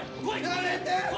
やめて！